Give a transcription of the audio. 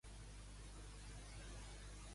El turisme és una part en auge de l'economia.